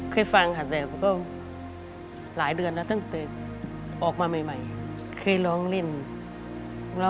เคยฟังครับลูกโดยวันนี้ก็